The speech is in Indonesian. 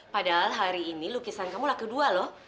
padahal hari ini lukisan kamu lah kedua loh